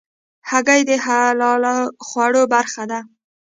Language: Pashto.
هګۍ د حلالو خوړو برخه ده.